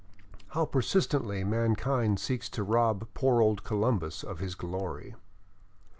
How persistently mankind seeks to rob poor old Colimibus of his glory!